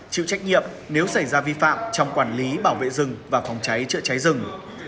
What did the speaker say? chịu trách nhiệm nếu xảy ra vi phạm trong quản lý bảo vệ rừng và phòng cháy chữa cháy rừng